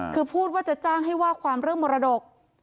คือพูดว่าจะจ้างให้ว่าความเรื่องมรดก